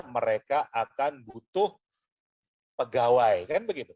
mereka akan butuh pegawai kan begitu